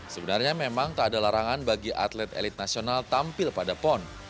sebenarnya memang tak ada larangan bagi atlet elit nasional tampil pada pon